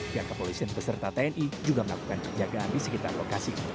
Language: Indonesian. pihak kepolisian beserta tni juga melakukan penjagaan di sekitar lokasi